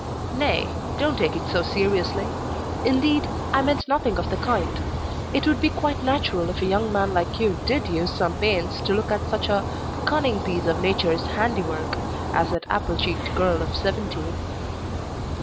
"Nay, don't take it so seriously indeed, I meant nothing of the kind. It would be quite natural if a young man like you did use some pains to look at such a 'cunning piece of Nature's handiwork' as that apple cheeked girl of seventeen."